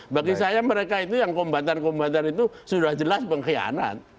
bagi saya mereka itu yang kombatan kombatan itu sudah jelas pengkhianat